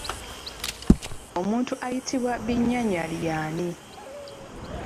Omuntu ayitibwa “Binyanyali" y'ani?